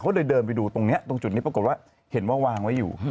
เขาเลยเดินไปดูตรงนี้ตรงจุดนี้ปรากฏว่าเห็นว่าวางไว้อยู่